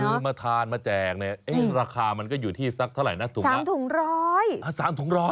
ถ้าจะซื้อมาทานมาแจกเนี่ยราคามันก็อยู่ที่ซักเท่าไหร่หน้าถุง